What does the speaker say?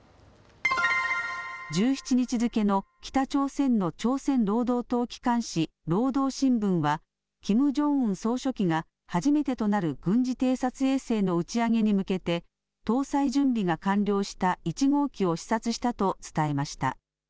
１７日付けの北朝鮮の朝鮮労働党機関紙、労働新聞はキム・ジョンウン総書記が初めてとなる軍事偵察衛星の打ち上げに向けて搭載準備が完了した１号機を視察したと伝えました。